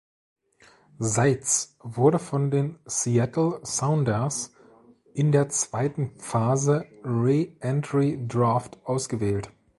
Seitz wurde von den Seattle Sounders in der zweiten Phase Re-Entry Draft ausgewählt.